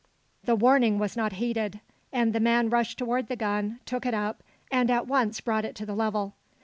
The warning was not heeded; and the man rushed toward the gun, took it up and at once brought it to the level.